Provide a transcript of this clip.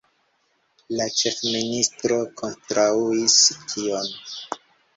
La ĉefministro kontraŭis tion.